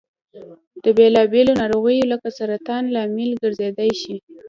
د بېلا بېلو نارغیو لکه سرطان لامل ګرځيدای شي.